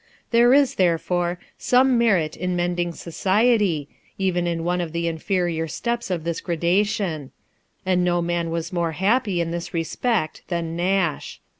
There is, therefore, some merit in mending society, even in one of the inferior steps of this gradation ; and no man was more happy in this respect than Nash.